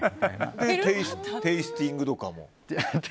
テイスティングとかも？